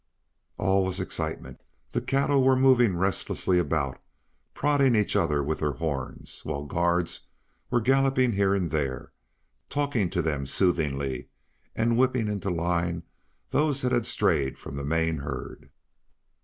All was excitement. The cattle were moving restlessly about, prodding each other with their horns, while guards were galloping here and there, talking to them soothingly and whipping into line those that had strayed from the main herd.